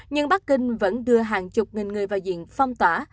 nhưng bắc kinh vẫn đưa hàng chục nghìn người vào diện phong tỏa